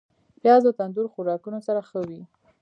پیاز د تندور خوراکونو سره ښه وي